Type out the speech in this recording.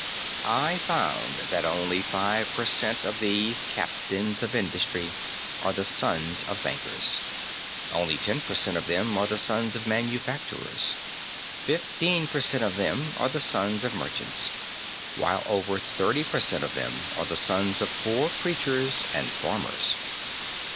I found that only five per cent. of these captains of industry are the sons of bankers; only ten per cent. of them are the sons of manufacturers; fifteen per cent. of them are the sons of merchants, while over thirty per cent. of them are the sons of poor preachers and farmers.